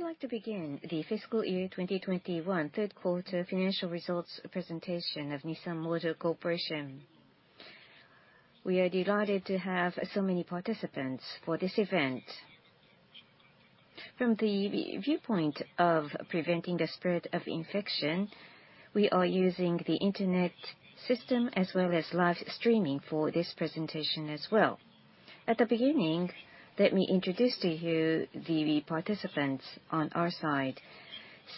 We would like to begin the fiscal year 2021 third quarter financial results presentation of Nissan Motor Corporation. We are delighted to have so many participants for this event. From the viewpoint of preventing the spread of infection, we are using the internet system as well as live streaming for this presentation as well. At the beginning, let me introduce to you the participants on our side.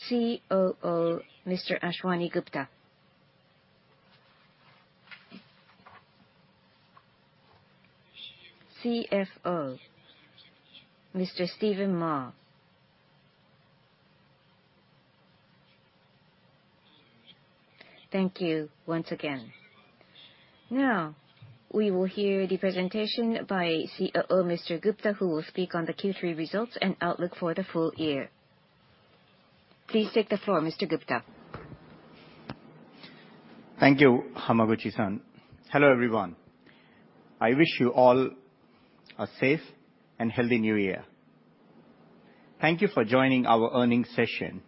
COO Mr. Ashwani Gupta. CFO Mr. Stephen Ma. Thank you once again. Now, we will hear the presentation by COO Mr. Gupta, who will speak on the Q3 results and outlook for the full year. Please take the floor, Mr. Gupta. Thank you, Hamaguchi-san. Hello, everyone. I wish you all a safe and healthy new year. Thank you for joining our earnings session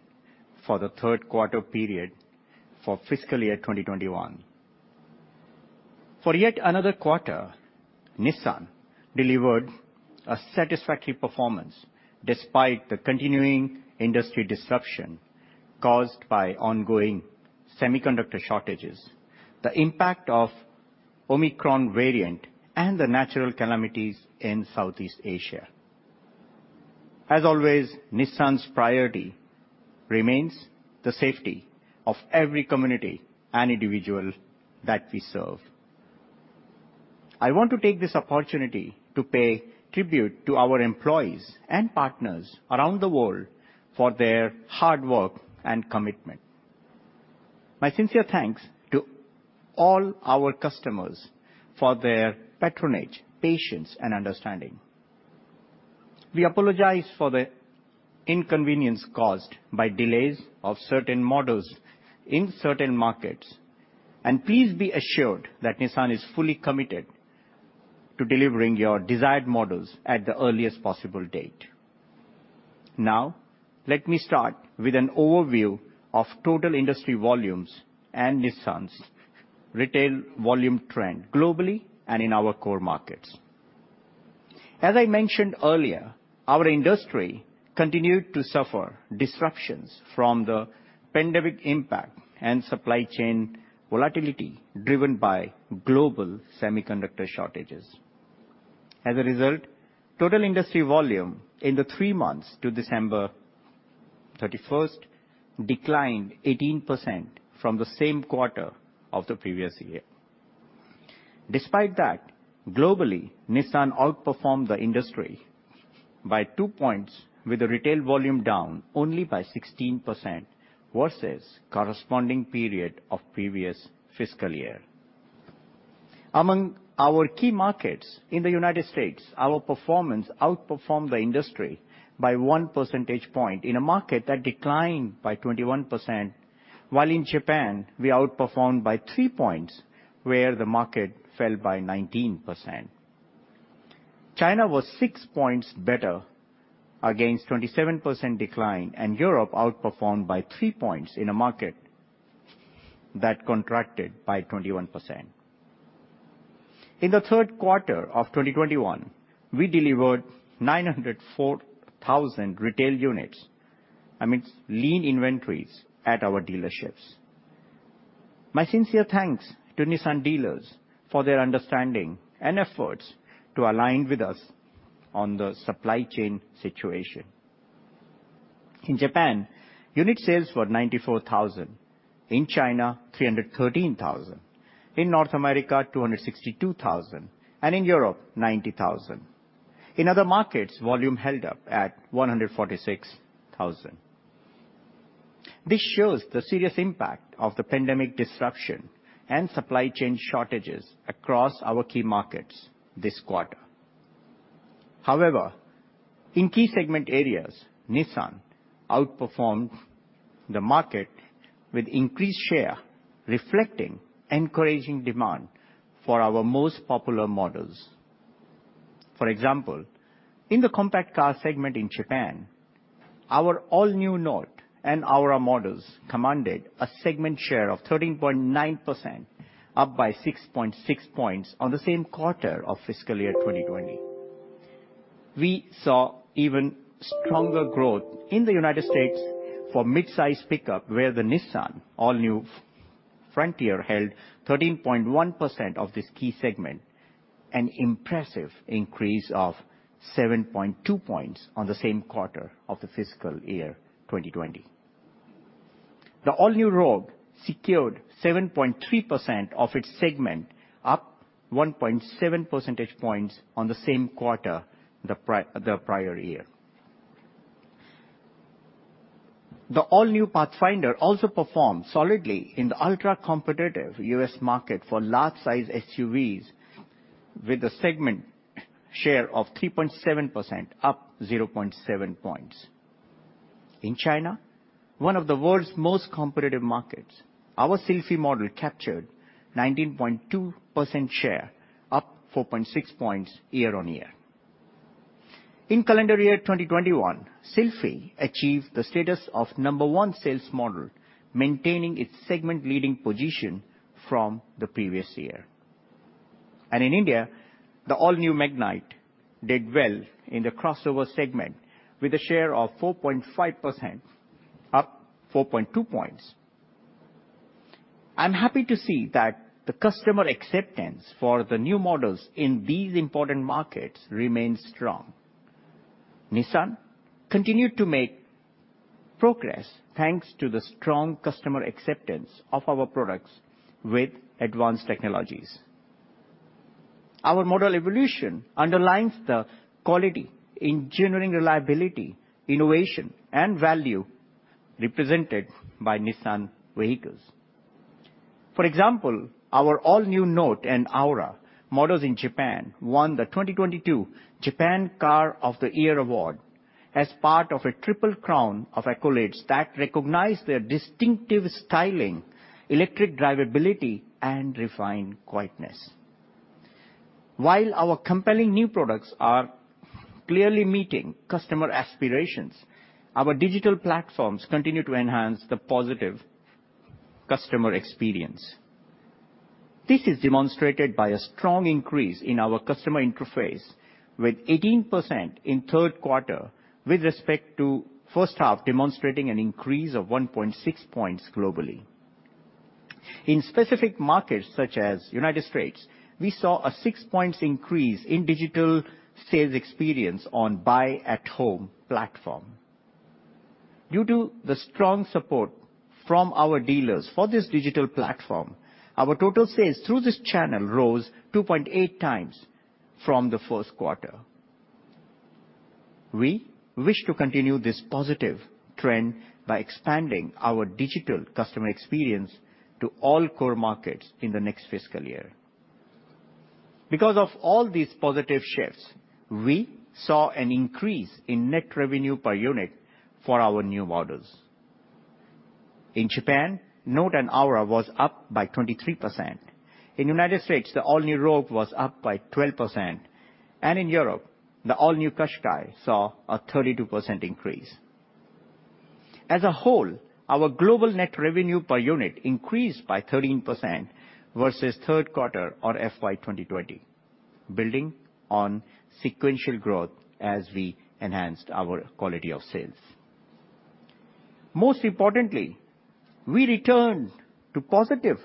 for the third quarter period for fiscal year 2021. For yet another quarter, Nissan delivered a satisfactory performance despite the continuing industry disruption caused by ongoing semiconductor shortages, the impact of Omicron variant, and the natural calamities in Southeast Asia. As always, Nissan's priority remains the safety of every community and individual that we serve. I want to take this opportunity to pay tribute to our employees and partners around the world for their hard work and commitment. My sincere thanks to all our customers for their patronage, patience, and understanding. We apologize for the inconvenience caused by delays of certain models in certain markets, and please be assured that Nissan is fully committed to delivering your desired models at the earliest possible date. Now, let me start with an overview of total industry volumes and Nissan's retail volume trend globally and in our core markets. As I mentioned earlier, our industry continued to suffer disruptions from the pandemic impact and supply chain volatility driven by global semiconductor shortages. As a result, total industry volume in the three months to December 31 declined 18% from the same quarter of the previous year. Despite that, globally, Nissan outperformed the industry by 2% points with the retail volume down only by 16% versus corresponding period of previous fiscal year. Among our key markets in the United States, our performance outperformed the industry by 1% point in a market that declined by 21%, while in Japan, we outperformed by 3% points, where the market fell by 19%. China was 6% points better against 27% decline, and Europe outperformed by 3% points in a market that contracted by 21%. In the third quarter of 2021, we delivered 904,000 retail units amidst lean inventories at our dealerships. My sincere thanks to Nissan dealers for their understanding and efforts to align with us on the supply chain situation. In Japan, unit sales were 94,000. In China, unit sales were 313,000. In North America, unit sales were 262,000, and in Europe, unit sales were 90,000. In other markets, volume held up at 146,000. This shows the serious impact of the pandemic disruption and supply chain shortages across our key markets this quarter. However, in key segment areas, Nissan outperformed the market with increased share reflecting encouraging demand for our most popular models. For example, in the compact car segment in Japan, our all-new Note and Aura models commanded a segment share of 13.9%, up by 6.6% points on the same quarter of fiscal year 2020. We saw even stronger growth in the United States for midsize pickup where the Nissan all-new Frontier held 13.1% of this key segment, an impressive increase of 7.2% points on the same quarter of the fiscal year 2020. The all-new Rogue secured 7.3% of its segment, up 1.7% points on the same quarter of the prior year. The all-new Pathfinder also performed solidly in the ultra-competitive U.S. market for large-size SUVs with a segment share of 3.7%, up 0.7% points. In China, one of the world's most competitive markets, our Sylphy model captured 19.2% share, up 4.6% points year-on-year. In calendar year 2021, Sylphy achieved the status of number one sales model, maintaining its segment-leading position from the previous year. In India, the all-new Magnite did well in the crossover segment with a share of 4.5%, up 4.2% points. I'm happy to see that the customer acceptance for the new models in these important markets remains strong. Nissan continued to make progress, thanks to the strong customer acceptance of our products with advanced technologies. Our model evolution underlines the quality in engineering reliability, innovation and value represented by Nissan vehicles. For example, our all-new Note and Aura models in Japan won the 2022 Japan Car of the Year award as part of a triple crown of accolades that recognize their distinctive styling, electric drivability and refined quietness. While our compelling new products are clearly meeting customer aspirations, our digital platforms continue to enhance the positive customer experience. This is demonstrated by a strong increase in our customer interface, with 18% in third quarter with respect to H1, demonstrating an increase of 1.6% points globally. In specific markets such as United States, we saw a 6% point increase in digital sales experience on Buy@Home platform. Due to the strong support from our dealers for this digital platform, our total sales through this channel rose 2.8x from the first quarter. We wish to continue this positive trend by expanding our digital customer experience to all core markets in the next fiscal year. Because of all these positive shifts, we saw an increase in net revenue per unit for our new models. In Japan, Note and Aura was up by 23%. In the United States, the all-new Rogue was up by 12%. In Europe, the all-new Qashqai saw a 32% increase. As a whole, our global net revenue per unit increased by 13% versus third quarter or FY 2020, building on sequential growth as we enhanced our quality of sales. Most importantly, we returned to positive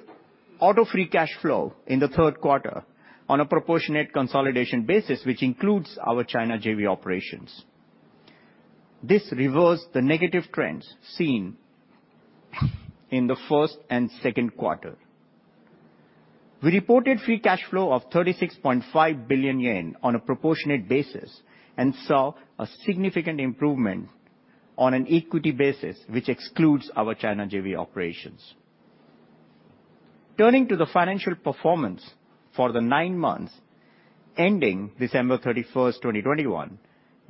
auto free cash flow in the third quarter on a proportionate consolidation basis, which includes our China JV operations. This reversed the negative trends seen in the first and second quarter. We reported free cash flow of 36.5 billion yen on a proportionate basis and saw a significant improvement on an equity basis, which excludes our China JV operations. Turning to the financial performance for the nine months ending December 31, 2021,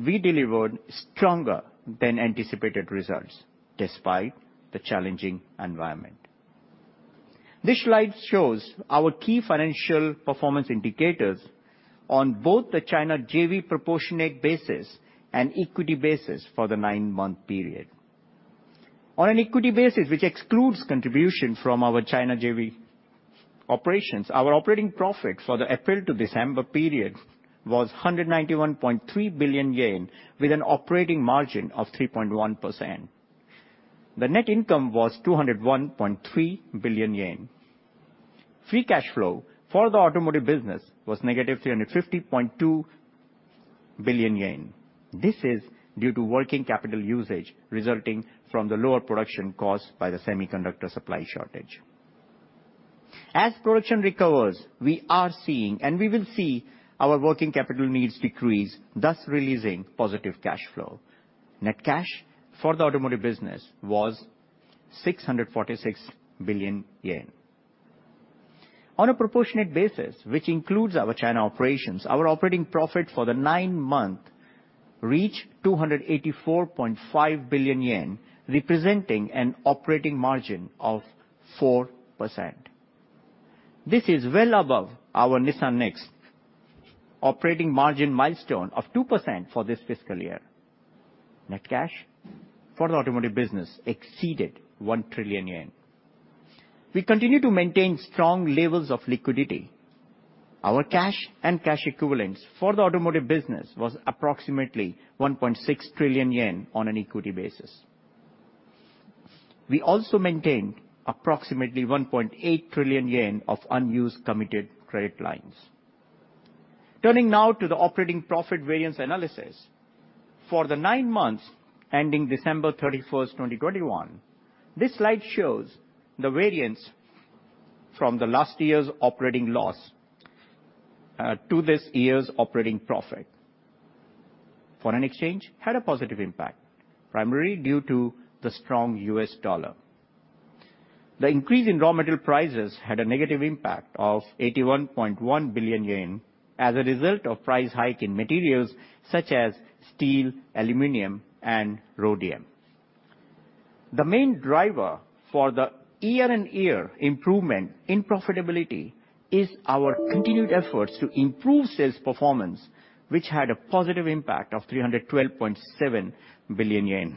we delivered stronger than anticipated results despite the challenging environment. This slide shows our key financial performance indicators on both the China JV proportionate basis and equity basis for the nine-month period. On an equity basis, which excludes contribution from our China JV operations, our operating profit for the April to December period was 191.3 billion yen with an operating margin of 3.1%. The net income was 201.3 billion yen. Free cash flow for the automotive business was -350.2 billion yen. This is due to working capital usage resulting from the lower production caused by the semiconductor supply shortage. As production recovers, we are seeing, and we will see our working capital needs decrease, thus releasing positive cash flow. Net cash for the automotive business was 646 billion yen. On a proportionate basis, which includes our China operations, our operating profit for the nine-month reached 284.5 billion yen, representing an operating margin of 4%. This is well above our Nissan NEXT operating margin milestone of 2% for this fiscal year. Net cash for the automotive business exceeded 1 trillion yen. We continue to maintain strong levels of liquidity. Our cash and cash equivalents for the automotive business was approximately 1.6 trillion yen on an equity basis. We also maintained approximately 1.8 trillion yen of unused committed credit lines. Turning now to the operating profit variance analysis. For the nine months ending December 31, 2021, this slide shows the variance from last year's operating loss to this year's operating profit. Foreign exchange had a positive impact, primarily due to the strong U.S. dollar. The increase in raw material prices had a negative impact of 81.1 billion yen as a result of price hike in materials such as steel, aluminum, and rhodium. The main driver for the year-on-year improvement in profitability is our continued efforts to improve sales performance, which had a positive impact of 312.7 billion yen.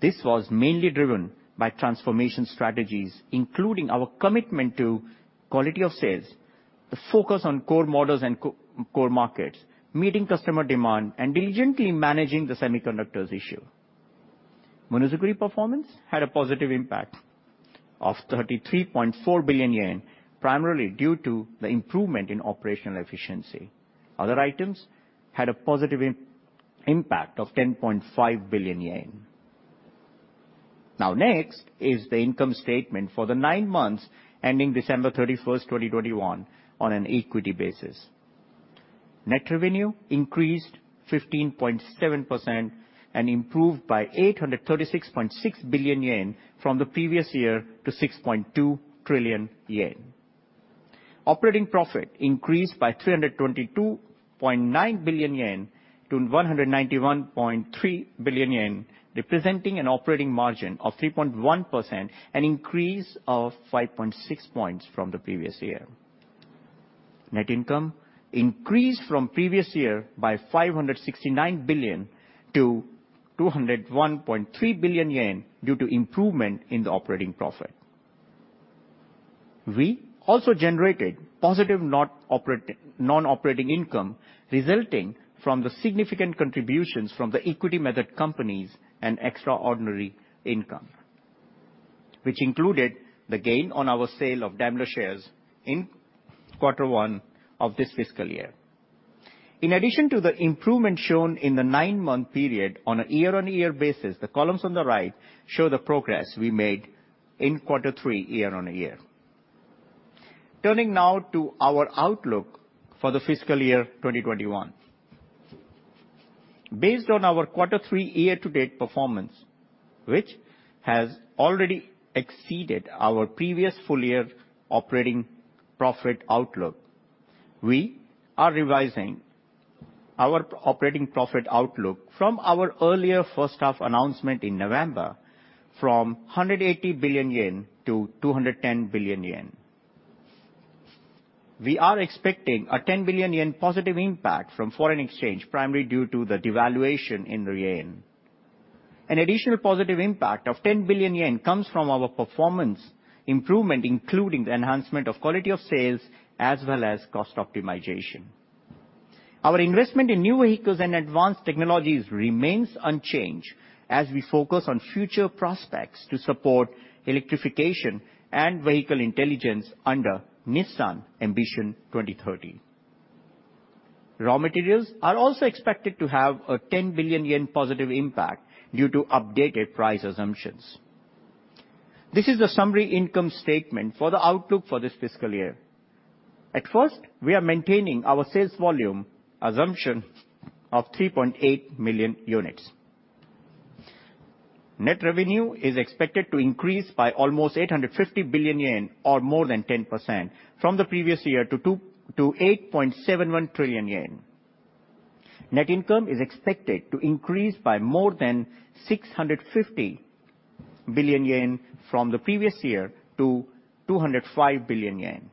This was mainly driven by transformation strategies, including our commitment to quality of sales, the focus on core models and core markets, meeting customer demand, and diligently managing the semiconductors issue. Monozukuri performance had a positive impact of 33.4 billion yen, primarily due to the improvement in operational efficiency. Other items had a positive impact of 10.5 billion yen. Now, next is the income statement for the nine months ending December 31, 2021 on an equity basis. Net revenue increased 15.7% and improved by 836.6 billion yen from the previous year to 6.2 trillion yen. Operating profit increased by 322.9 billion yen to 191.3 billion yen, representing an operating margin of 3.1%, an increase of 5.6% points from the previous year. Net income increased from previous year by 569 billion-201.3 billion yen due to improvement in the operating profit. We also generated positive non-operating income resulting from the significant contributions from the equity method companies and extraordinary income, which included the gain on our sale of Daimler shares in quarter one of this fiscal year. In addition to the improvement shown in the nine-month period on a year-on-year basis, the columns on the right show the progress we made in quarter three year-on-year. Turning now to our outlook for the fiscal year 2021. Based on our quarter three year-to-date performance, which has already exceeded our previous full year operating profit outlook, we are revising our operating profit outlook from our earlier H1 announcement in November from 180 billion-210 billion yen. We are expecting a 10 billion yen positive impact from foreign exchange, primarily due to the devaluation in the yen. An additional positive impact of 10 billion yen comes from our performance improvement, including the enhancement of quality of sales as well as cost optimization. Our investment in new vehicles and advanced technologies remains unchanged as we focus on future prospects to support electrification and vehicle intelligence under Nissan Ambition 2030. Raw materials are also expected to have a 10 billion yen positive impact due to updated price assumptions. This is a summary income statement for the outlook for this fiscal year. At first, we are maintaining our sales volume assumption of 3.8 million units. Net revenue is expected to increase by almost 850 billion yen or more than 10% from the previous year to 8.71 trillion yen. Net income is expected to increase by more than 650 billion yen from the previous year to 205 billion yen.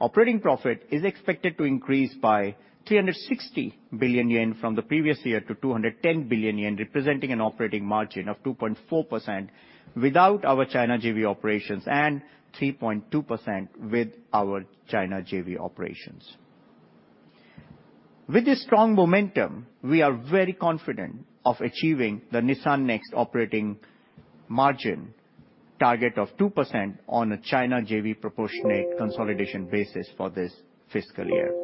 Operating profit is expected to increase by 360 billion yen from the previous year to 210 billion yen, representing an operating margin of 2.4% without our China JV operations and 3.2% with our China JV operations. With this strong momentum, we are very confident of achieving the Nissan NEXT operating margin target of 2% on a China JV proportionate consolidation basis for this fiscal year.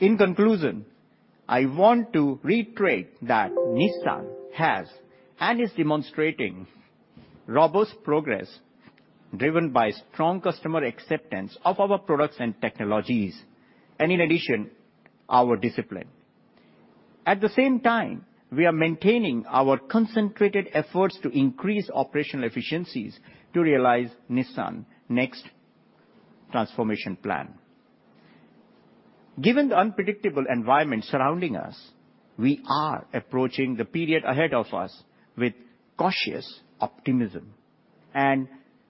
In conclusion, I want to reiterate that Nissan has and is demonstrating robust progress driven by strong customer acceptance of our products and technologies and in addition, our discipline. At the same time, we are maintaining our concentrated efforts to increase operational efficiencies to realize Nissan NEXT transformation plan. Given the unpredictable environment surrounding us, we are approaching the period ahead of us with cautious optimism, and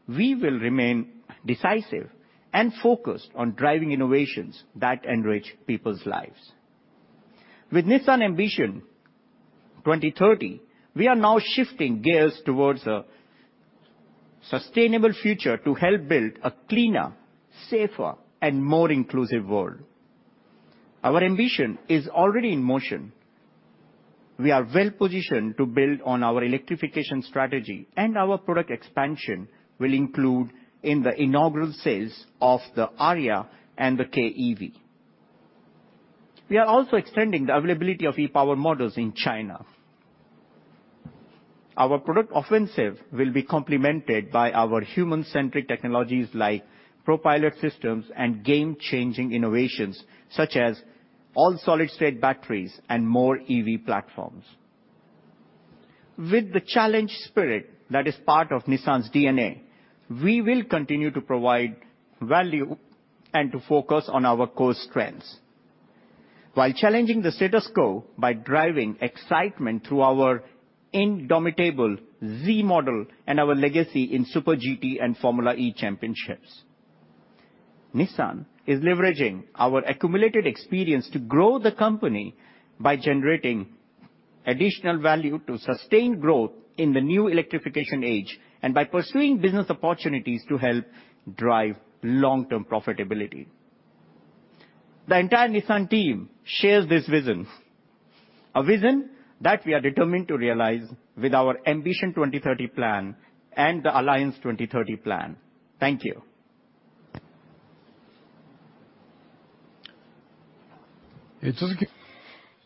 we will remain decisive and focused on driving innovations that enrich people's lives. With Nissan Ambition 2030, we are now shifting gears towards a sustainable future to help build a cleaner, safer, and more inclusive world. Our ambition is already in motion. We are well-positioned to build on our electrification strategy, and our product expansion will include in the inaugural sales of the Ariya and the LEAF. We are also extending the availability of e-POWER models in China. Our product offensive will be complemented by our human-centric technologies like ProPILOT systems and game-changing innovations such as all-solid-state batteries and more EV platforms. With the challenge spirit that is part of Nissan's DNA, we will continue to provide value and to focus on our core strengths. While challenging the status quo by driving excitement through our indomitable Z model and our legacy in Super GT and Formula E championships, Nissan is leveraging our accumulated experience to grow the company by generating additional value to sustain growth in the new electrification age, and by pursuing business opportunities to help drive long-term profitability. The entire Nissan team shares this vision, a vision that we are determined to realize with our Ambition 2030 plan and the Alliance 2030 plan. Thank you.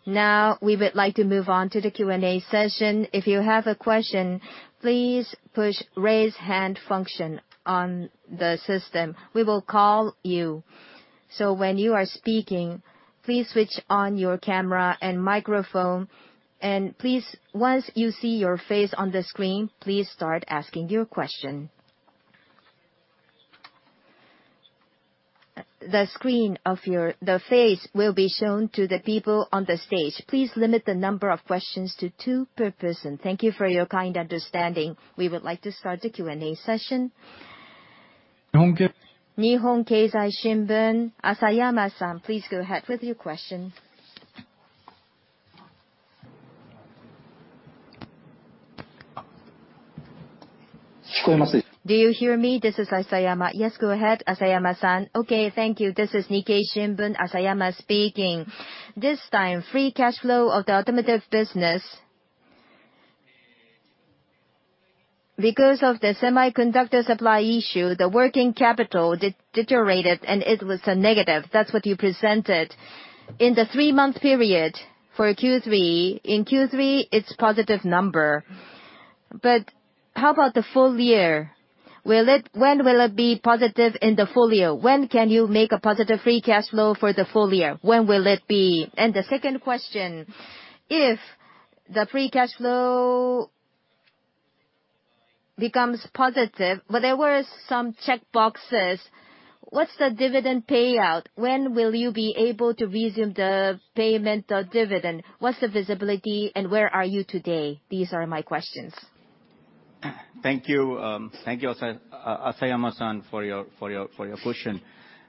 Now, we would like to move on to the Q&A session. If you have a question, please push raise hand function on the system. We will call you. When you are speaking, please switch on your camera and microphone and please once you see your face on the screen, please start asking your question. The face will be shown to the people on the stage. Please limit the number of questions to two per person. Thank you for your kind understanding. We would like to start the Q&A session. Asayama-san, please go ahead with your question. Do you hear me? This is Asayama. Yes, go ahead, Asayama-san. Okay, thank you. This is Nikkei Shimbun, Asayama speaking. This time, free cash flow of the automotive business. Because of the semiconductor supply issue, the working capital deteriorated and it was a negative. That's what you presented. In the three-month period for Q3, it's a positive number. How about the full year? When will it be positive in the full year? When can you make a positive free cash flow for the full year? When will it be? And the second question, if the free cash flow becomes positive, but there were some checkboxes, what's the dividend payout? When will you be able to resume the payment of dividend? What's the visibility and where are you today? These are my questions. Thank you, Asayama-san, for your question.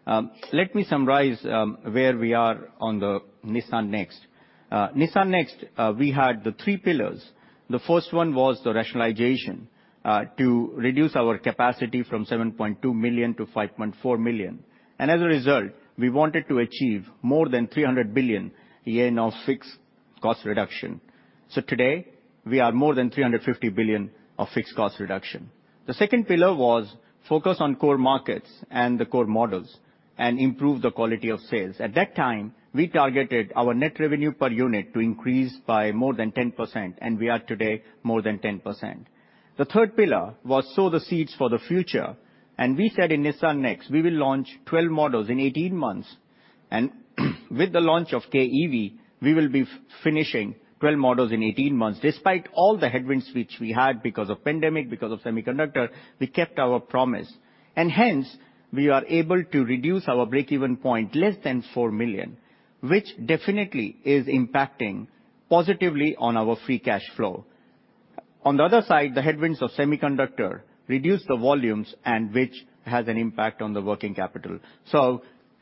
Let me summarize where we are on the Nissan NEXT. Nissan NEXT, we had the three pillars. The first one was the rationalization to reduce our capacity from 7.2 million to 5.4 million. As a result, we wanted to achieve more than 300 billion yen of fixed cost reduction. Today we are more than 350 billion of fixed cost reduction. The second pillar was focus on core markets and the core models and improve the quality of sales. At that time, we targeted our net revenue per unit to increase by more than 10%, and we are today more than 10%. The third pillar was sow the seeds for the future. We said in Nissan NEXT we will launch 12 models in 18 months. With the launch of Kei EV, we will be finishing 12 models in 18 months. Despite all the headwinds which we had because of pandemic, because of semiconductor, we kept our promise. Hence, we are able to reduce our break-even point less than 4 million, which definitely is impacting positively on our free cash flow. On the other side, the headwinds of semiconductor reduced the volumes and which has an impact on the working capital.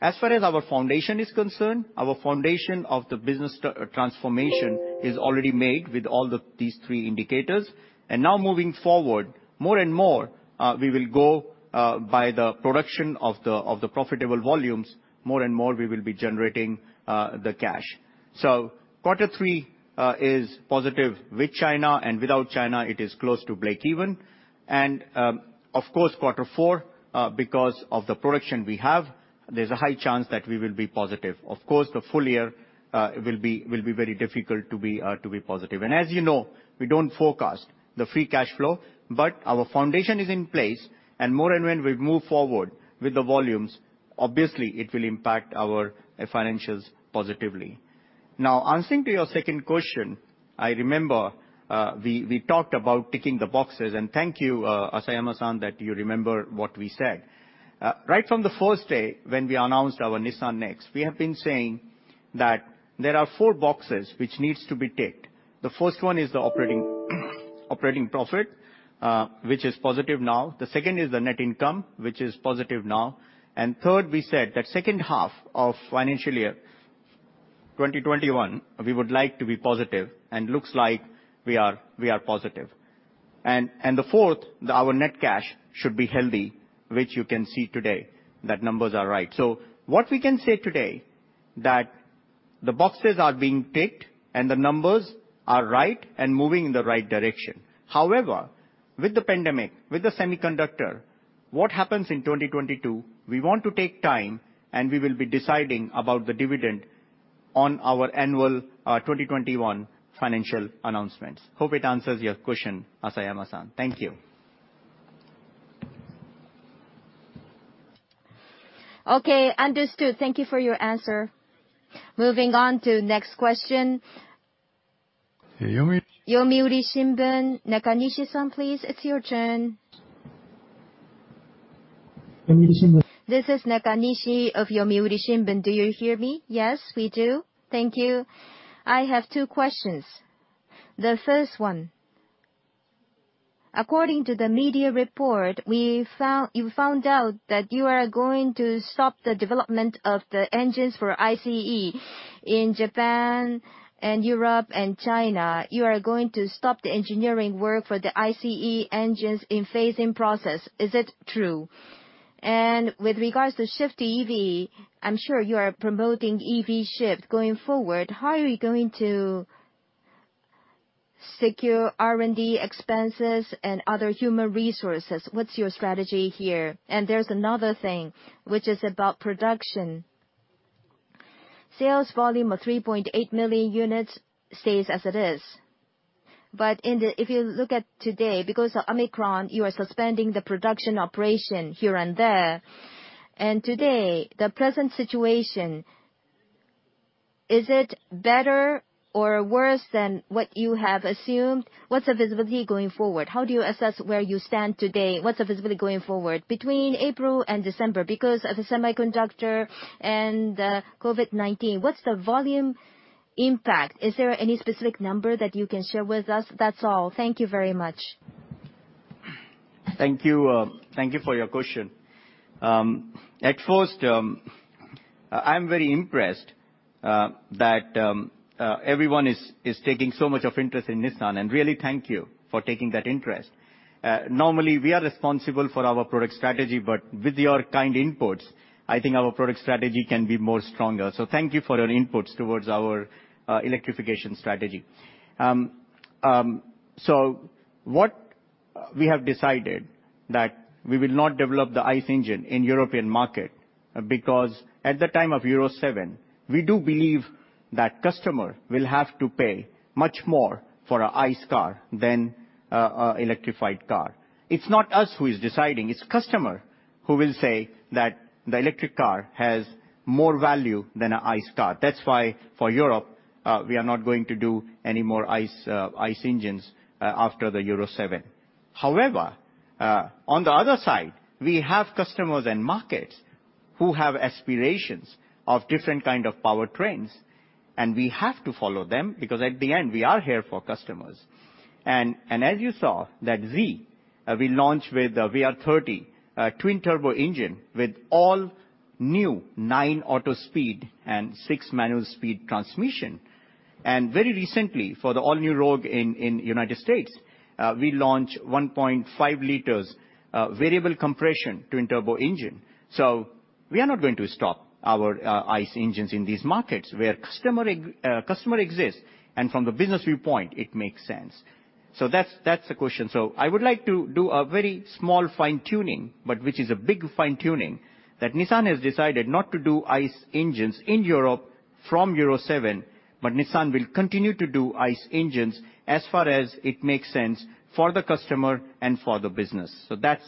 As far as our foundation is concerned, our foundation of the business transformation is already made with all these three indicators. Now moving forward, more and more we will go by the production of the profitable volumes, more and more we will be generating the cash. Quarter three is positive with China and without China it is close to break-even. Of course, quarter four, because of the production we have, there's a high chance that we will be positive. Of course, the full year will be very difficult to be positive. As you know, we don't forecast the free cash flow, but our foundation is in place and more and when we move forward with the volumes, obviously it will impact our financials positively. Now, answering to your second question, I remember, we talked about ticking the boxes and thank you, Asayama-san, that you remember what we said. Right from the first day when we announced our Nissan NEXT, we have been saying that there are four boxes which needs to be ticked. The first one is the operating profit, which is positive now. The second is the net income, which is positive now. Third, we said that H2 of financial year 2021 we would like to be positive and looks like we are positive. The fourth, our net cash should be healthy, which you can see today that numbers are right. What we can say today that the boxes are being ticked and the numbers are right and moving in the right direction. However, with the pandemic, with the semiconductor, what happens in 2022, we want to take time and we will be deciding about the dividend on our annual 2021 financial announcements. Hope it answers your question, Asayama-san. Thank you. Okay, understood. Thank you for your answer. Moving on to next question. Yomi- Yomiuri Shimbun, Nakanishi-san, please, it's your turn. Yomiuri Shimbun. This is Nakanishi of The Yomiuri Shimbun. Do you hear me? Yes, we do. Thank you. I have two questions. The first one, according to the media report, you found out that you are going to stop the development of the engines for ICE in Japan and Europe and China. You are going to stop the engineering work for the ICE engines in phasing process. Is it true? With regards to shift to EV, I'm sure you are promoting EV shift going forward. How are you going to secure R&D expenses and other human resources? What's your strategy here? There's another thing, which is about production. Sales volume of 3.8 million units stays as it is. If you look at today, because of Omicron, you are suspending the production operation here and there. Today, the present situation, is it better or worse than what you have assumed? What's the visibility going forward? How do you assess where you stand today? What's the visibility going forward between April and December? Because of the semiconductor and COVID-19, what's the volume impact? Is there any specific number that you can share with us? That's all. Thank you very much. Thank you. Thank you for your question. At first, I'm very impressed that everyone is taking so much of interest in Nissan, and really thank you for taking that interest. Normally, we are responsible for our product strategy, but with your kind inputs, I think our product strategy can be more stronger. Thank you for your inputs towards our electrification strategy. What we have decided that we will not develop the ICE engine in European market because at the time of Euro 7, we do believe that customer will have to pay much more for a ICE car than a electrified car. It's not us who is deciding, it's customer who will say that the electric car has more value than a ICE car. That's why for Europe, we are not going to do any more ICE engines after the Euro 7. However, on the other side, we have customers and markets who have aspirations of different kind of powertrains, and we have to follow them because at the end, we are here for customers. As you saw that Z, we launched with the VR30DDTT twin-turbo engine with all-new nine-speed auto and six-speed manual transmission. Very recently, for the all-new Rogue in United States, we launched 1.5L variable compression twin-turbo engine. We are not going to stop our ICE engines in these markets where customer exists, and from the business viewpoint, it makes sense. That's the question. I would like to do a very small fine-tuning, but which is a big fine-tuning, that Nissan has decided not to do ICE engines in Europe from Euro 7, but Nissan will continue to do ICE engines as far as it makes sense for the customer and for the business. That's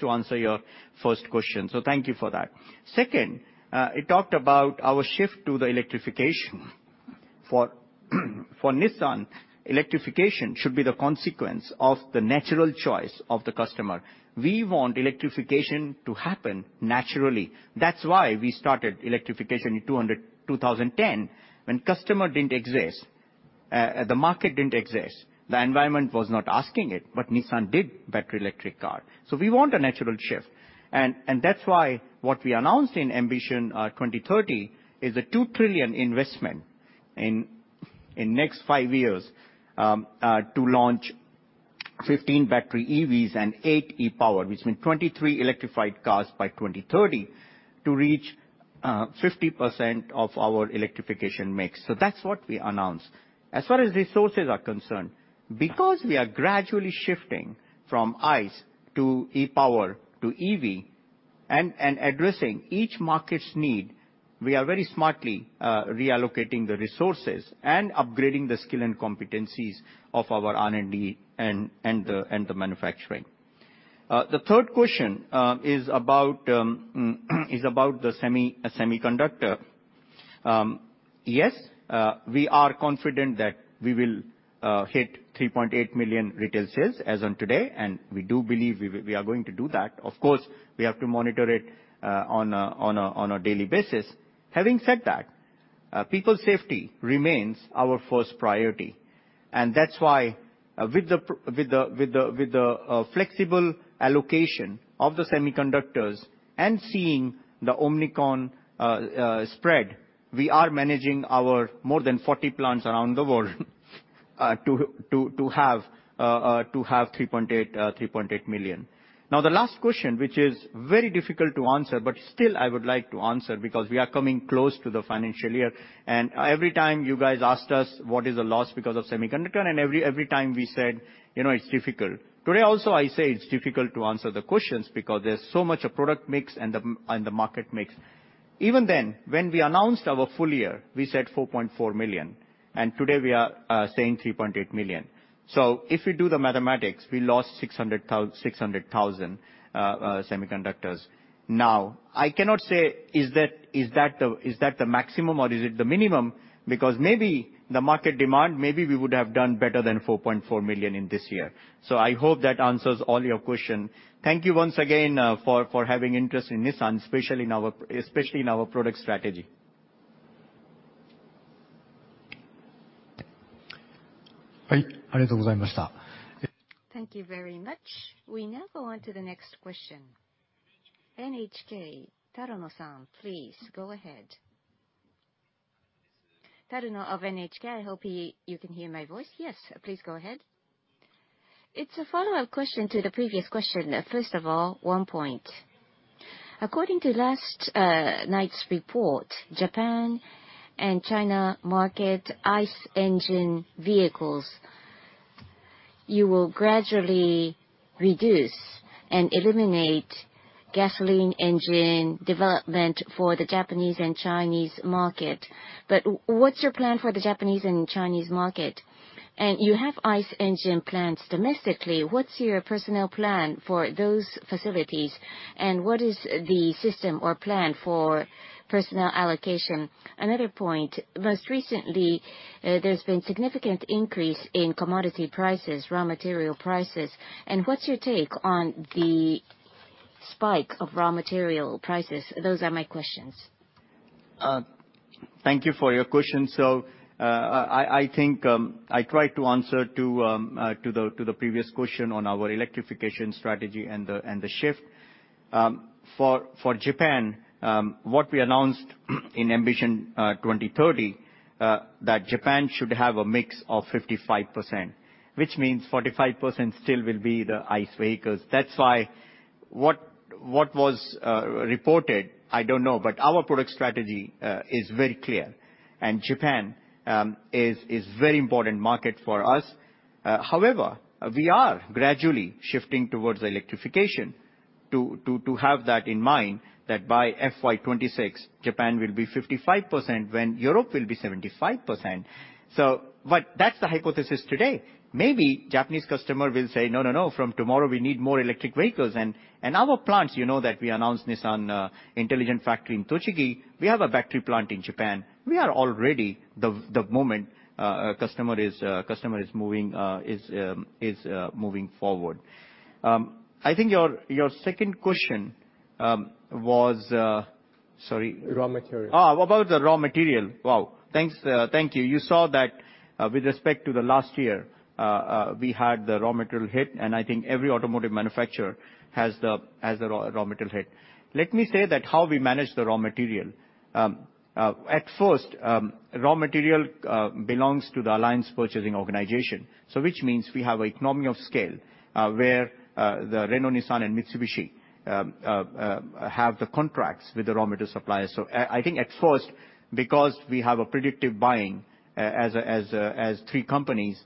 to answer your first question. Thank you for that. Second, it talked about our shift to the electrification. For Nissan, electrification should be the consequence of the natural choice of the customer. We want electrification to happen naturally. That's why we started electrification in 2010 when customers didn't exist, the market didn't exist. The environment was not asking it, but Nissan did battery electric car. We want a natural shift. That's why what we announced in Ambition 2030 is a 2 trillion investment in next five years to launch 15 battery EVs and 8 e-POWER, which means 23 electrified cars by 2030 to reach 50% of our electrification mix. That's what we announced. As far as resources are concerned, because we are gradually shifting from ICE to e-POWER to EV and addressing each market's need, we are very smartly reallocating the resources and upgrading the skill and competencies of our R&D and the manufacturing. The third question is about the semiconductor. Yes, we are confident that we will hit 3.8 million retail sales as of today, and we do believe we are going to do that. Of course, we have to monitor it on a daily basis. Having said that, people's safety remains our first priority. That's why, with the flexible allocation of the semiconductors and seeing the Omicron spread, we are managing our more than 40 plants around the world, to have 3.8 million. Now, the last question, which is very difficult to answer, but still I would like to answer because we are coming close to the financial year, and every time you guys asked us what is the loss because of semiconductor, and every time we said, "You know, it's difficult." Today also, I say it's difficult to answer the questions because there's so much of product mix and the market mix. Even then, when we announced our full year, we said 4.4 million, and today we are saying 3.8 million. If we do the mathematics, we lost 600,000 semiconductors. Now, I cannot say is that the maximum or is it the minimum. Because maybe the market demand, maybe we would have done better than 4.4 million in this year. I hope that answers all your question. Thank you once again, for having interest in Nissan, especially in our product strategy. Thank you very much. We now go on to the next question. NHK, Taruno san, please go ahead. Taruno of NHK, I hope you can hear my voice. Yes, please go ahead. It's a follow-up question to the previous question. First of all, one point. According to last night's report, Japan and China market ICE engine vehicles, you will gradually reduce and eliminate gasoline engine development for the Japanese and Chinese market. But what's your plan for the Japanese and Chinese market? And you have ICE engine plants domestically, what's your personnel plan for those facilities, and what is the system or plan for personnel allocation? Another point, most recently, there's been significant increase in commodity prices, raw material prices, and what's your take on the spike of raw material prices? Those are my questions. Thank you for your question. I think I tried to answer the previous question on our electrification strategy and the shift. For Japan, what we announced in Ambition 2030, that Japan should have a mix of 55%, which means 45% still will be the ICE vehicles. That's why what was reported, I don't know, but our product strategy is very clear, and Japan is very important market for us. However, we are gradually shifting towards electrification to have that in mind that by FY 2026 Japan will be 55% when Europe will be 75%. But that's the hypothesis today. Maybe Japanese customer will say, no, no, from tomorrow we need more electric vehicles. Our plants, you know that we announced Nissan Intelligent Factory in Tochigi. We have a battery plant in Japan. We are already the moment a customer is moving forward. I think your second question was. Sorry. Raw material. Oh, about the raw material. Wow. Thanks. Thank you. You saw that, with respect to the last year, we had the raw material hit, and I think every automotive manufacturer has the raw material hit. Let me say that how we manage the raw material. At first, raw material belongs to the alliance purchasing organization, which means we have economy of scale, where the Renault, Nissan, and Mitsubishi have the contracts with the raw material suppliers. I think at first because we have a predictive buying as three companies,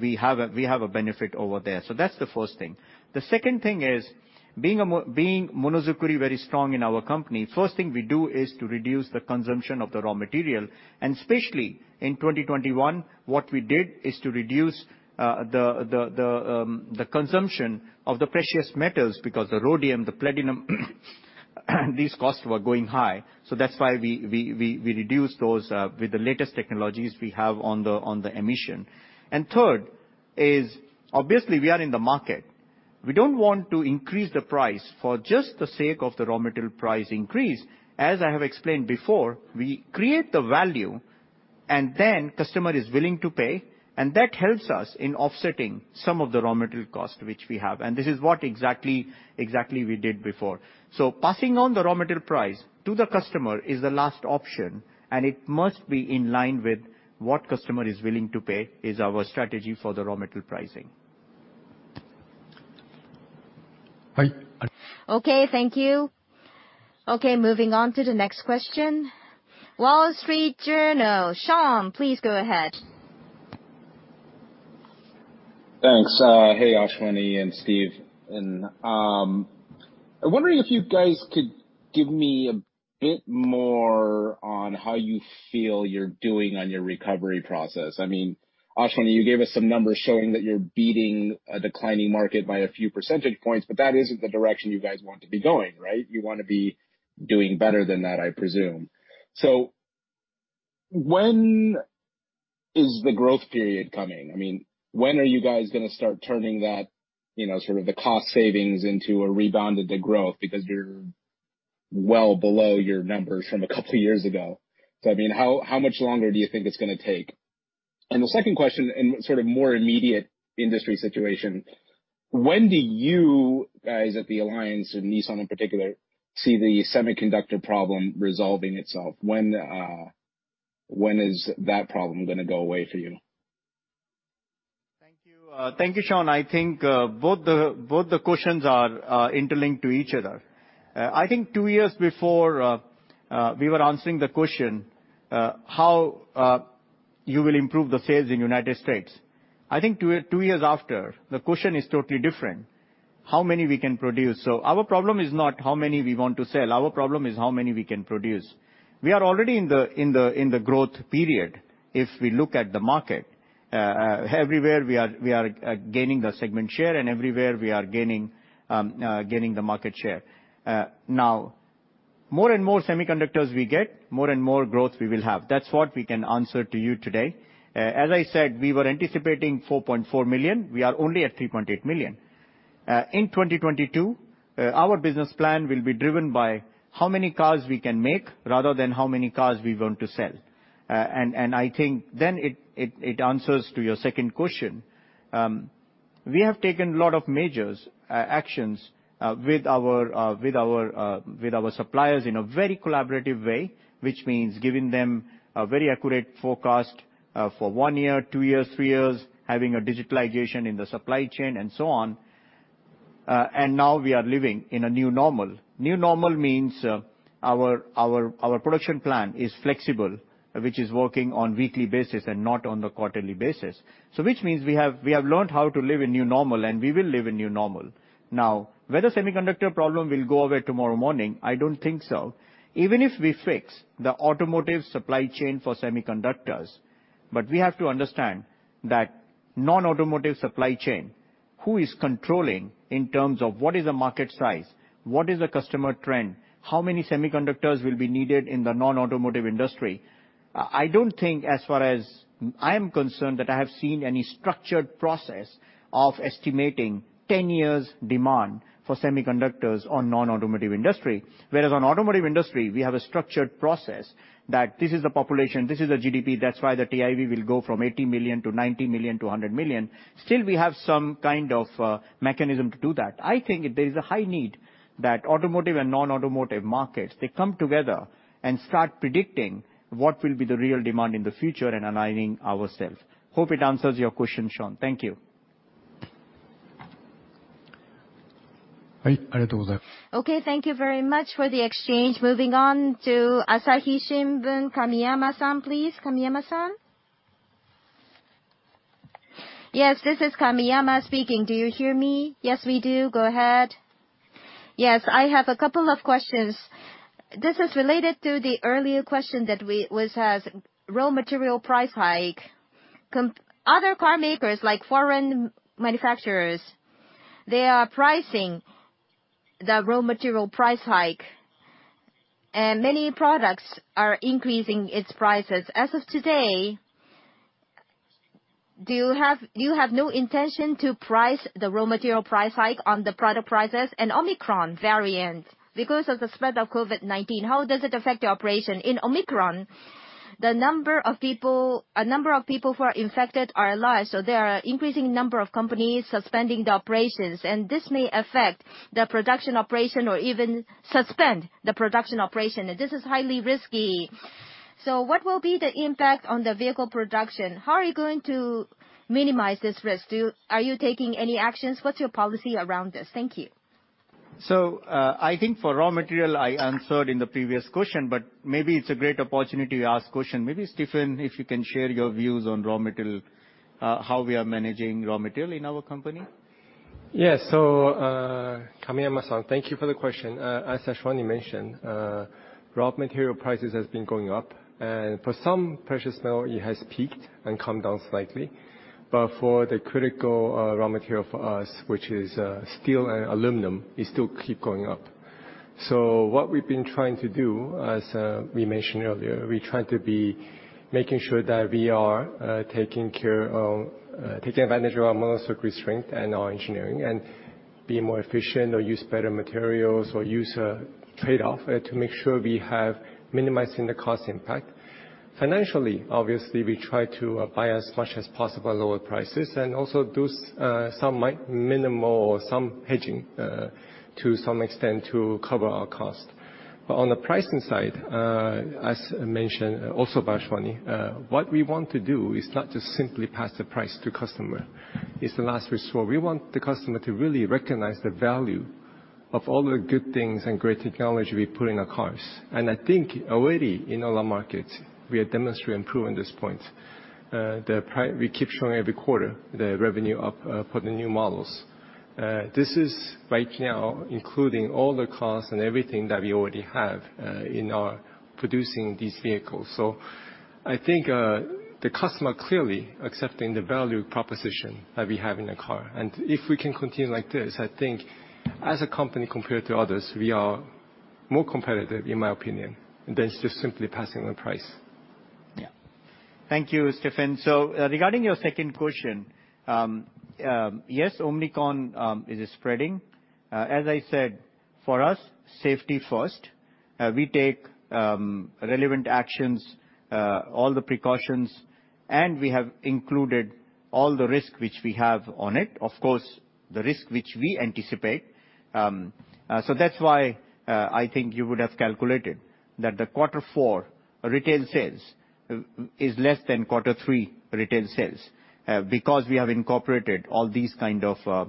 we have a benefit over there. That's the first thing. The second thing is being monozukuri very strong in our company. First thing we do is to reduce the consumption of the raw material. Especially in 2021, what we did is to reduce the consumption of the precious metals because the rhodium, the platinum, these costs were going high. That's why we reduced those with the latest technologies we have on the emission. Third is, obviously we are in the market. We don't want to increase the price for just the sake of the raw material price increase. As I have explained before, we create the value and then customer is willing to pay, and that helps us in offsetting some of the raw material cost which we have. This is what exactly we did before. Passing on the raw material price to the customer is the last option, and it must be in line with what customer is willing to pay is our strategy for the raw material pricing. Okay, thank you. Okay, moving on to the next question. Wall Street Journal, Sean, please go ahead. Thanks. Hey, Ashwani and Steve. I'm wondering if you guys could give me a bit more on how you feel you're doing on your recovery process. I mean, Ashwani, you gave us some numbers showing that you're beating a declining market by a few percentage points, but that isn't the direction you guys want to be going, right? You wanna be doing better than that, I presume. When is the growth period coming? I mean, when are you guys gonna start turning that, you know, sort of the cost savings into a rebound of the growth? Because you're well below your numbers from a couple years ago. I mean, how much longer do you think it's gonna take? The second question in sort of more immediate industry situation, when do you guys at the alliance, and Nissan in particular, see the semiconductor problem resolving itself? When is that problem gonna go away for you? Thank you. Thank you, Sean. I think both the questions are interlinked to each other. I think two years before, we were answering the question, how you will improve the sales in United States. I think two years after, the question is totally different. How many we can produce. Our problem is not how many we want to sell, our problem is how many we can produce. We are already in the growth period if we look at the market. Everywhere we are gaining the segment share, and everywhere we are gaining the market share. Now more and more semiconductors we get, more and more growth we will have. That's what we can answer to you today. As I said, we were anticipating 4.4 million. We are only at 3.8 million. In 2022, our business plan will be driven by how many cars we can make rather than how many cars we want to sell. I think then it answers to your second question. We have taken a lot of measures, actions, with our suppliers in a very collaborative way, which means giving them a very accurate forecast for one year, two years, three years, having a digitalization in the supply chain and so on. Now we are living in a new normal. New normal means our production plan is flexible, which is working on weekly basis and not on the quarterly basis. which means we have learned how to live a new normal, and we will live a new normal. Now, whether semiconductor problem will go away tomorrow morning, I don't think so. Even if we fix the automotive supply chain for semiconductors, but we have to understand that non-automotive supply chain, who is controlling in terms of what is the market size? What is the customer trend? How many semiconductors will be needed in the non-automotive industry? I don't think as far as I am concerned that I have seen any structured process of estimating ten years' demand for semiconductors on non-automotive industry. Whereas on automotive industry, we have a structured process that this is the population, this is the GDP, that's why the TIV will go from 80 million to 90 million to 100 million. Still we have some kind of mechanism to do that. I think there is a high need that automotive and non-automotive markets, they come together and start predicting what will be the real demand in the future and aligning ourselves. Hope it answers your question, Sean. Thank you. Okay, thank you very much for the exchange. Moving on to Asahi Shimbun, Kamiyama San, please. Kamiyama San? Yes, this is Kamiyama speaking. Do you hear me? Yes, we do. Go ahead. Yes. I have a couple of questions. This is related to the earlier question which has raw material price hike. Other car makers like foreign manufacturers, they are pricing the raw material price hike, and many products are increasing its prices. As of today, do you have no intention to price the raw material price hike on the product prices? Omicron variant, because of the spread of COVID-19, how does it affect your operation? In Omicron, a number of people who are infected are large, so there are increasing number of companies suspending the operations, and this may affect the production operation or even suspend the production operation. This is highly risky. What will be the impact on the vehicle production? How are you going to minimize this risk? Are you taking any actions? What's your policy around this? Thank you. I think for raw material, I answered in the previous question, but maybe it's a great opportunity to ask question. Maybe Stephen Ma, if you can share your views on raw material, how we are managing raw material in our company. Yes. Kamiyama-san, thank you for the question. As Ashwani mentioned, raw material prices has been going up. For some precious metal, it has peaked and come down slightly. For the critical raw material for us, which is steel and aluminum, it still keep going up. What we've been trying to do, as we mentioned earlier, we're trying to be making sure that we are taking advantage of our motor circuit strength and our engineering and being more efficient or use better materials or use a trade-off to make sure we have minimizing the cost impact. Financially, obviously, we try to buy as much as possible lower prices and also do some minimal or some hedging to some extent to cover our cost. On the pricing side, as mentioned also by Ashwani, what we want to do is not to simply pass the price to customer. It's the last resort. We want the customer to really recognize the value of all the good things and great technology we put in our cars. I think already in all our markets, we have demonstrated and proven this point. We keep showing every quarter the revenue up, for the new models. This is right now including all the costs and everything that we already have, in our producing these vehicles. I think, the customer clearly accepting the value proposition that we have in the car. If we can continue like this, I think as a company compared to others, we are more competitive, in my opinion, than just simply passing the price. Yeah. Thank you, Stephen. Regarding your second question, yes, Omicron is spreading. As I said, for us, safety first. We take relevant actions, all the precautions, and we have included all the risk which we have on it. Of course, the risk which we anticipate. That's why, I think you would have calculated that the quarter four retail sales is less than quarter three retail sales, because we have incorporated all these kind of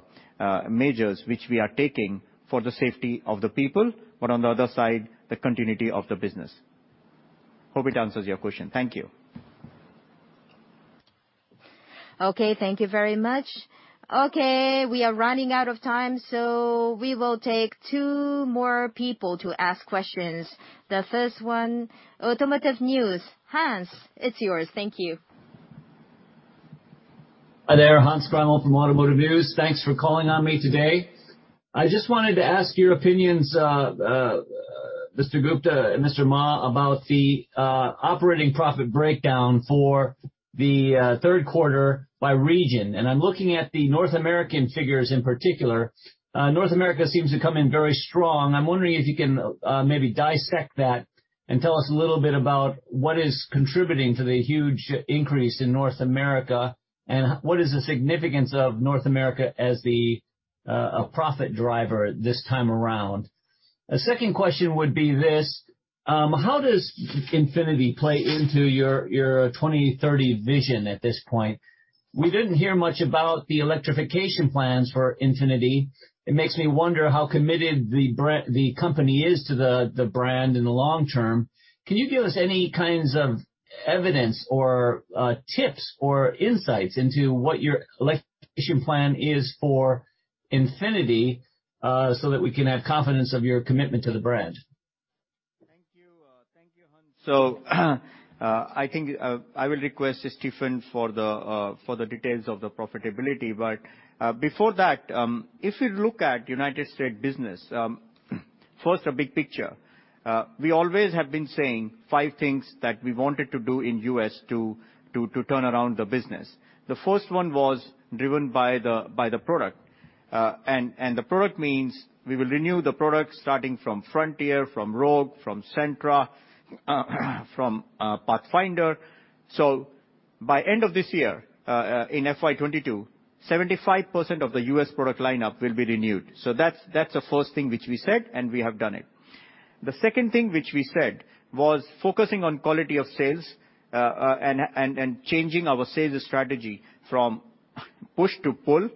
measures which we are taking for the safety of the people, but on the other side, the continuity of the business. Hope it answers your question. Thank you. Okay, thank you very much. Okay, we are running out of time, so we will take two more people to ask questions. The first one, Automotive News. Hans, it's yours. Thank you. Hi there. Hans Greimel from Automotive News. Thanks for calling on me today. I just wanted to ask your opinions, Mr. Gupta and Mr. Ma about the operating profit breakdown for the third quarter by region. I'm looking at the North American figures in particular. North America seems to come in very strong. I'm wondering if you can maybe dissect that and tell us a little bit about what is contributing to the huge increase in North America, and what is the significance of North America as a profit driver this time around. A second question would be this: how does Infiniti play into your 2030 vision at this point? We didn't hear much about the electrification plans for Infiniti. It makes me wonder how committed the company is to the brand in the long term. Can you give us any kinds of evidence or tips or insights into what your electrification plan is for Infiniti so that we can have confidence of your commitment to the brand? Thank you. Thank you, Hans. I think I will request Stephen for the details of the profitability. Before that, if you look at United States business, first, a big picture. We always have been saying five things that we wanted to do in U.S. to turn around the business. The first one was driven by the product. The product means we will renew the product starting from Frontier, from Rogue, from Sentra, from Pathfinder. By end of this year, in FY 2022, 75% of the U.S. product lineup will be renewed. That's the first thing which we said, and we have done it. The second thing which we said was focusing on quality of sales and changing our sales strategy from push to pull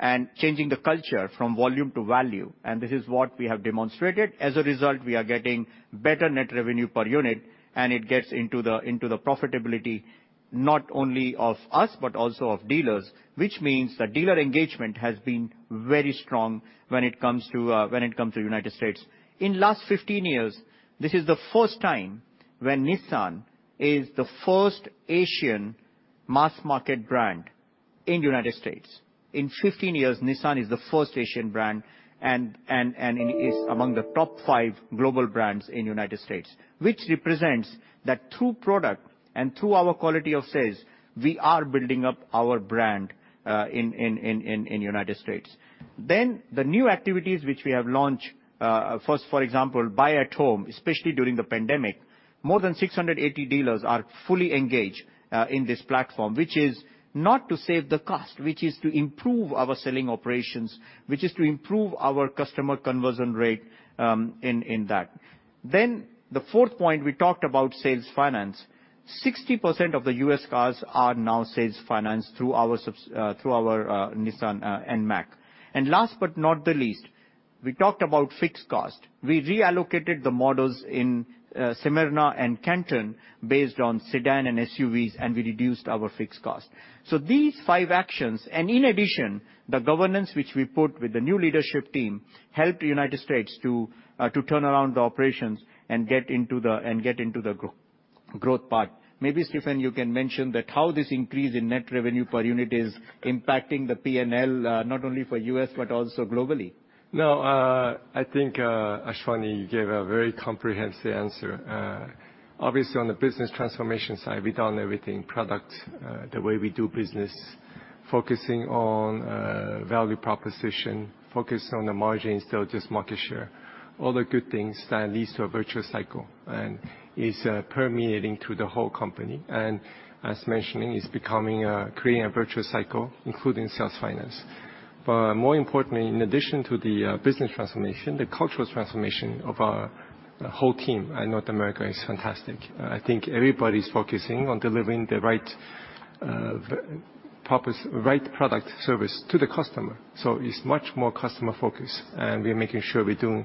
and changing the culture from volume to value. This is what we have demonstrated. As a result, we are getting better net revenue per unit, and it gets into the profitability not only of us, but also of dealers, which means the dealer engagement has been very strong when it comes to United States. In the last 15 years, this is the first time when Nissan is the first Asian mass market brand in United States. In 15 years, Nissan is the first Asian brand and is among the top five global brands in United States, which represents that through product and through our quality of sales, we are building up our brand in United States. The new activities which we have launched, first for example, Buy@Home, especially during the pandemic, more than 680 dealers are fully engaged in this platform. Which is not to save the cost, which is to improve our selling operations, which is to improve our customer conversion rate in that. The fourth point we talked about sales finance. 60% of the U.S. cars are now sales financed through our Nissan NMAC. Last but not the least, we talked about fixed cost. We reallocated the models in Smyrna and Canton based on sedan and SUVs, and we reduced our fixed cost. These five actions, and in addition, the governance which we put with the new leadership team, helped United States to turn around the operations and get into the growth part. Maybe Stephen, you can mention how this increase in net revenue per unit is impacting the PNL, not only for U.S., but also globally. No, I think, Ashwani, you gave a very comprehensive answer. Obviously on the business transformation side, we've done everything product, the way we do business, focusing on value proposition, focus on the margin instead of just market share. All the good things that leads to a virtuous cycle and is permeating through the whole company. As mentioned, is becoming creating a virtuous cycle, including sales finance. More importantly, in addition to the business transformation, the cultural transformation of our whole team at North America is fantastic. I think everybody's focusing on delivering the right product, right service to the customer. It's much more customer focused, and we're making sure we're doing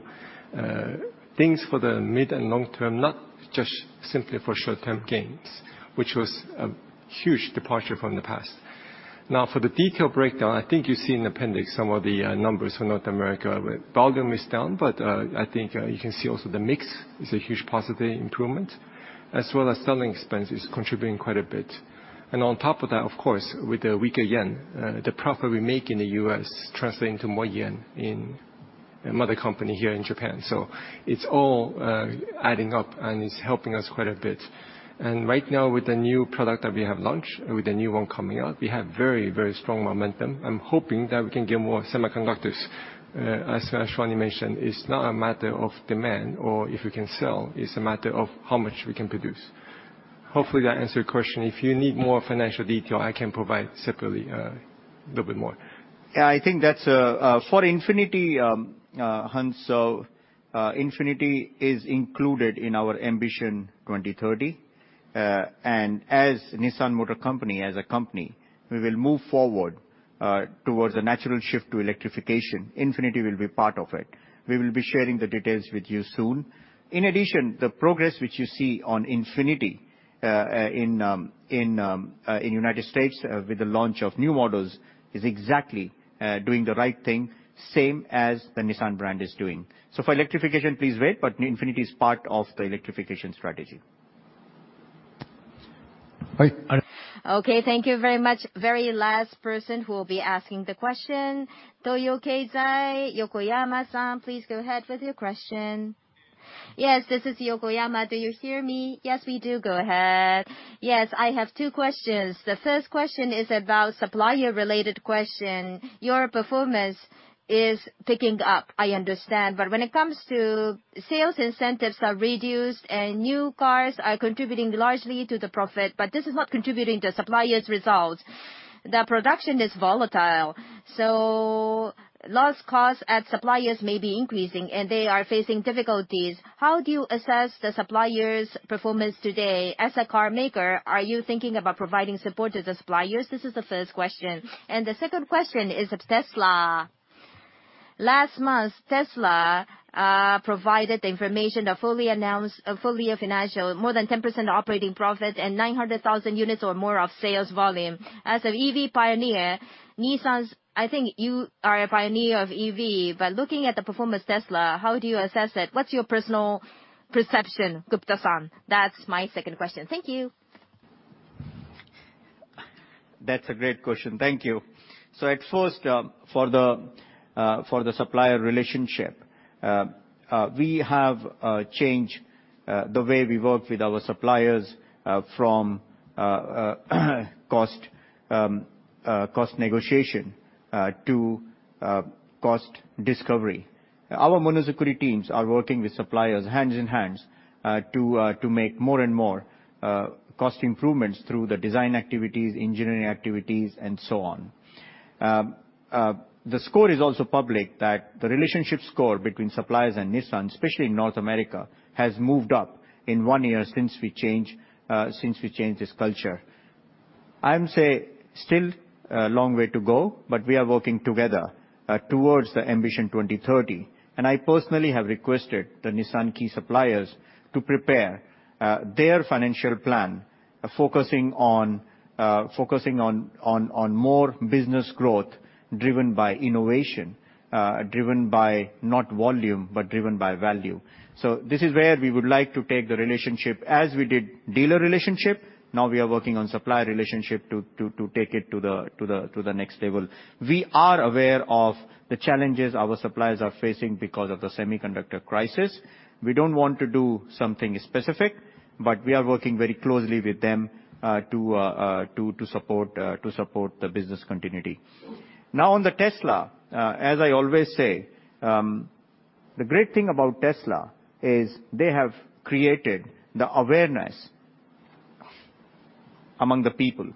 things for the mid- and long-term, not just simply for short-term gains, which was a huge departure from the past. Now for the detail breakdown, I think you see in appendix some of the numbers for North America. Volume is down, but I think you can see also the mix is a huge positive improvement, as well as selling expense is contributing quite a bit. On top of that, of course, with the weaker yen, the profit we make in the U.S. translating to more yen in mother company here in Japan. It's all adding up and it's helping us quite a bit. Right now with the new product that we have launched and with the new one coming out, we have very, very strong momentum. I'm hoping that we can get more semiconductors. As Ashwani mentioned, it's not a matter of demand or if we can sell, it's a matter of how much we can produce. Hopefully that answered your question. If you need more financial detail, I can provide separately a little bit more. Yeah, I think that's for Infiniti, Hans. Infiniti is included in our Ambition 2030. As Nissan Motor Company as a company, we will move forward towards the natural shift to electrification. Infiniti will be part of it. We will be sharing the details with you soon. In addition, the progress which you see on Infiniti in United States with the launch of new models is exactly doing the right thing, same as the Nissan brand is doing. For electrification, please wait, but Infiniti is part of the electrification strategy. Right. Okay, thank you very much. Very last person who will be asking the question, Toyo Keizai, Yokoyama-san, please go ahead with your question. Yes, this is Yokoyama. Do you hear me? Yes, we do. Go ahead. Yes, I have two questions. The first question is about supplier-related question. Your performance is picking up, I understand. But when it comes to sales incentives, are reduced and new cars are contributing largely to the profit, but this is not contributing to suppliers' results. The production is volatile, so loss costs at suppliers may be increasing, and they are facing difficulties. How do you assess the suppliers' performance today? As a car maker, are you thinking about providing support to the suppliers? This is the first question. The second question is of Tesla. Last month, Tesla provided the information of full year financial, more than 10% operating profit and 900,000 units or more of sales volume. As an EV pioneer, I think you are a pioneer of EV. By looking at the performance of Tesla, how do you assess it? What's your personal perception, Gupta-san? That's my second question. Thank you. That's a great question. Thank you. At first, for the supplier relationship, we have changed the way we work with our suppliers, from cost negotiation to cost discovery. Our monozukuri teams are working with suppliers hand in hand, to make more and more cost improvements through the design activities, engineering activities, and so on. It's also public that the relationship score between suppliers and Nissan, especially in North America, has moved up in one year since we changed this culture. I must say still a long way to go, but we are working together towards the Ambition 2030. I personally have requested the Nissan key suppliers to prepare their financial plan, focusing on more business growth driven by innovation, driven by not volume, but driven by value. This is where we would like to take the relationship as we did dealer relationship. Now we are working on supplier relationship to take it to the next level. We are aware of the challenges our suppliers are facing because of the semiconductor crisis. We don't want to do something specific, but we are working very closely with them to support the business continuity. Now on the Tesla, as I always say, the great thing about Tesla is they have created the awareness among the people.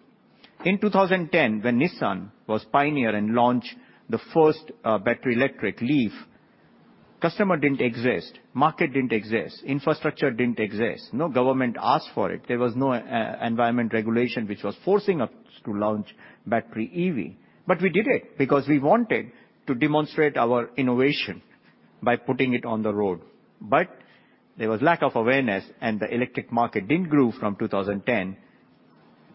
In 2010, when Nissan was pioneer and launch the first battery electric LEAF, customer didn't exist, market didn't exist, infrastructure didn't exist. No government asked for it. There was no environmental regulation which was forcing us to launch battery EV. We did it because we wanted to demonstrate our innovation by putting it on the road. There was lack of awareness, and the electric market didn't grow from 2010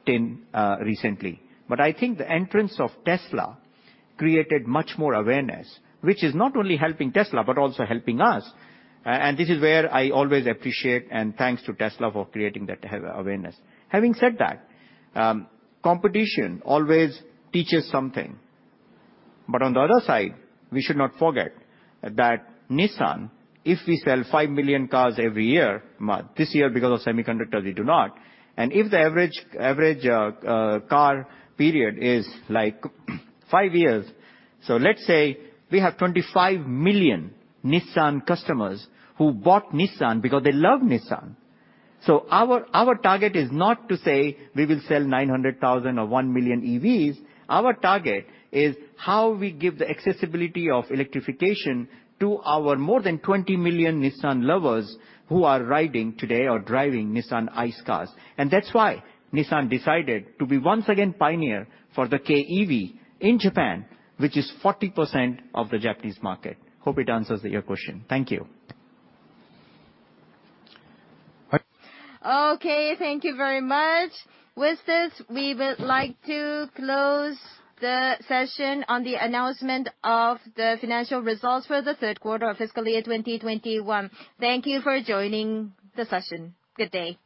till recently. I think the entrance of Tesla created much more awareness, which is not only helping Tesla, but also helping us. And this is where I always appreciate and thanks to Tesla for creating that awareness. Having said that, competition always teaches something. On the other side, we should not forget that Nissan, if we sell 5 million cars every year, but this year, because of semiconductors, we do not, and if the average car period is like 5 years, so let's say we have 25 million Nissan customers who bought Nissan because they love Nissan. Our target is not to say we will sell 900,000 or 1 million EVs. Our target is how we give the accessibility of electrification to our more than 20 million Nissan lovers who are riding today or driving Nissan ICE cars. That's why Nissan decided to be once again pioneer for the kei EV in Japan, which is 40% of the Japanese market. Hope it answers your question. Thank you. Right. Okay, thank you very much. With this, we would like to close the session on the announcement of the financial results for the third quarter of fiscal year 2021. Thank you for joining the session. Good day.